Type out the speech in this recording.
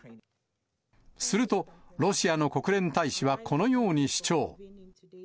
すると、ロシアの国連大使はこのように主張。